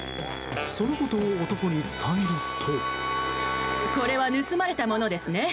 そのことを男に伝えると。